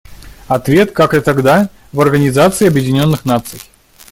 Ответ, как и тогда, — в Организации Объединенных Наций.